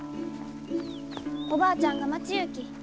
おばあちゃんが待ちゆうき。